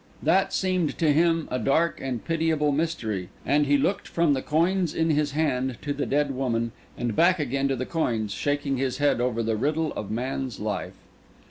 That seemed to him a dark and pitiable mystery; and he looked from the coins in his hand to the dead woman, and back again to the coins, shaking his head over the riddle of man's life.